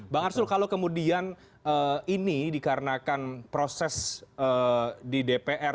bang arsul kalau kemudian ini dikarenakan proses di dpr